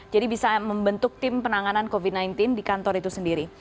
jadi bisa membentuk tim penanganan covid sembilan belas di kantor itu sendiri